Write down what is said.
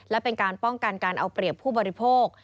และเป็นการป้องกันการเอาเปรียบผู้บริโภค